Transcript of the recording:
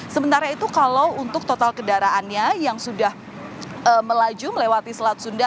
sementara itu kalau untuk total kendaraannya yang sudah melaju melewati selat sunda